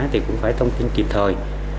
thì cũng phải thông tin kịp thời